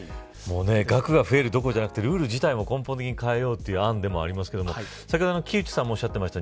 額が増えるどころじゃなくてルール自体も根本的に変えようという議論でもありますけれど先ほど、木内さんもおっしゃｔっていました。